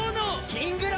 キングの。